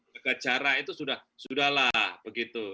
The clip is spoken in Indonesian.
jaga jarak itu sudah lah begitu